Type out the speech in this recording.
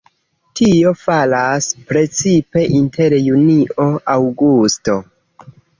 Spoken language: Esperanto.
Tio falas precipe inter junio-aŭgusto.